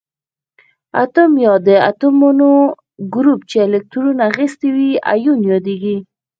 اتوم یا د اتومونو ګروپ چې الکترون اخیستی وي ایون یادیږي.